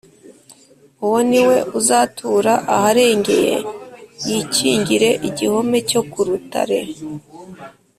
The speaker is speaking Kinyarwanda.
“Uwo ni we uzatura aharengeye yikingire igihome cyo ku rutare